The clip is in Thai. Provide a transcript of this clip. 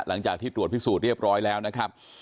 หลังจากที่ตรวจพิสูจน์เรียบร้อยแล้วนะครับ